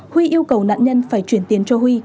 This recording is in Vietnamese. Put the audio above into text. huy yêu cầu nạn nhân phải chuyển tiền cho huy